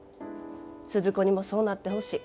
鈴子にもそうなってほしい。